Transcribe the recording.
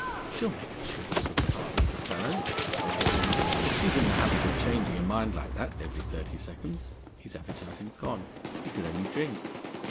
("She'll make a cheerful sort of partner for a fellow," thought Edward Henry, "if she's in the habit of changing her mind like that every thirty seconds." His appetite had gone. He could only drink.)